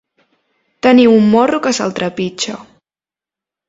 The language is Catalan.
Tenir un morro que se'l trepitja.